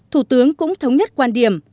thủ tướng cũng thống nhất quan điểm